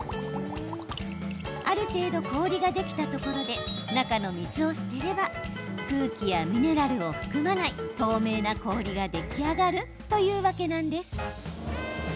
ある程度、氷ができたところで中の水を捨てれば空気やミネラルを含まない透明な氷が出来上がるというわけなんです。